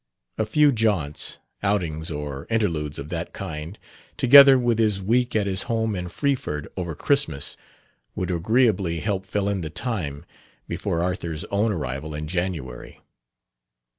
A few jaunts, outings or interludes of that kind, together with his week at his home in Freeford, over Christmas, would agreeably help fill in the time before Arthur's own arrival in January.